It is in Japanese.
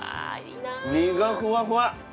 身がふわふわ。